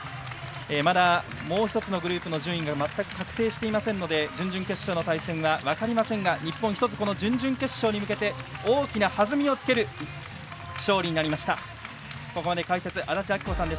まだもう１つのグループの順位が全く確定していませんので準々決勝の対戦は分かりませんが日本、準々決勝に向けて大きなはずみをつける勝利になりました。